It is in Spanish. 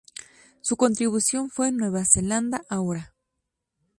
Su contribución fue "Nueva Zelanda Ahora".